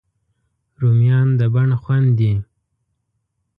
رومیان د بڼ خوند دي